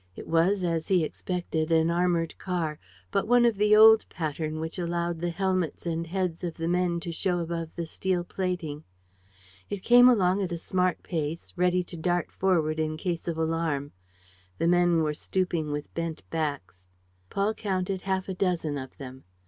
It was, as he expected, an armored car, but one of the old pattern, which allowed the helmets and heads of the men to show above the steel plating. It came along at a smart pace, ready to dart forward in case of alarm. The men were stooping with bent backs. Paul counted half a dozen of them.